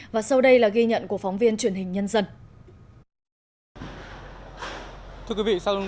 và sau đây là ghi nhận của phóng viên truyền hình nhân dân